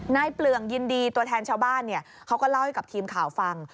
เปลืองยินดีตัวแทนชาวบ้านเขาก็เล่าให้กับทีมข่าวฟัง